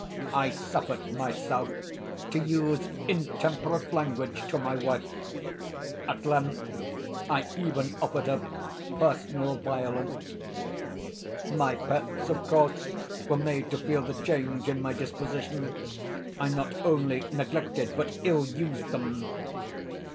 I suffered myself to use intemperate language to my wife. At length, I even offered her personal violence. My pets, of course, were made to feel the change in my disposition. I not only neglected, but ill used them.